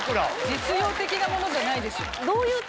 実用的なものじゃないでしょ。